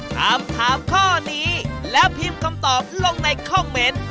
ถามถามข้อนี้แล้วพิมพ์คำตอบลงในคอมเมนต์